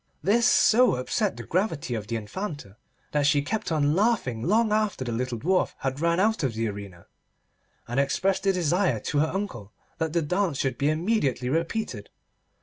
This so upset the gravity of the Infanta that she kept on laughing long after the little Dwarf had ran out of the arena, and expressed a desire to her uncle that the dance should be immediately repeated.